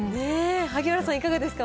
萩原さん、いかがですか？